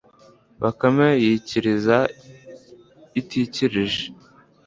bakame yikiriza itikirije